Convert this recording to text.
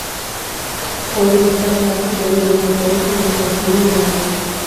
Polly es hija de Arthur, dueño de un hotel, y de Georgiana, una maestra.